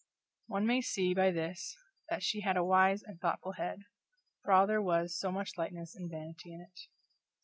One may see by this that she had a wise and thoughtful head, for all there was so much lightness and vanity in it.